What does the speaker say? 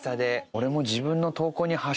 俺も。